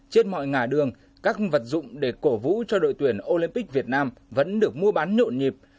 trên mọi ngả đường các vật dụng để cổ vũ cho đội tuyển olympic việt nam vẫn được mua bán nhộn nhịp